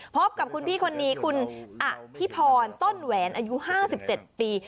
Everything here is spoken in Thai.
พบกับคุณพี่คนนี้คุณอธิพรต้นแหวนอายุ๕๗ปี